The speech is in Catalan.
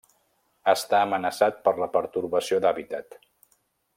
Està amenaçat per la pertorbació d'hàbitat.